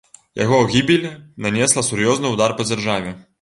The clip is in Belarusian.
Яго гібель нанесла сур'ёзны ўдар па дзяржаве.